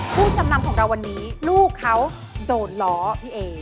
ผู้จำนำของเราวันนี้ลูกเขาโดนล้อพี่เอ